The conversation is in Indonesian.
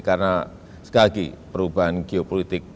karena sekali lagi perubahan geopolitik